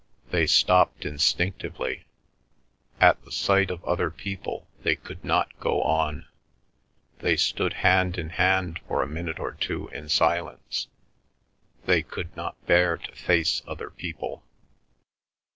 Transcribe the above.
They stopped instinctively. At the sight of other people they could not go on. They stood hand in hand for a minute or two in silence. They could not bear to face other people.